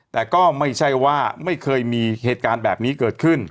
แต่ก็ไม่ใช่ว่าไม่เคยมีเหตุการณ์แบบนี้เกิดขึ้น